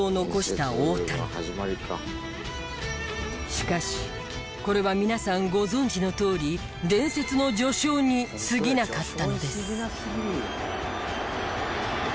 しかしこれは皆さんご存じのとおり伝説の序章にすぎなかったのです。